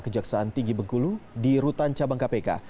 kejaksaan tinggi bengkulu di rutan cabang kpk